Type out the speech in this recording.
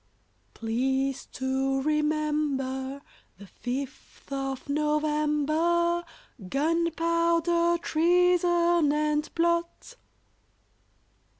] Please to remember The fifth of November, Gunpowder treason and plot.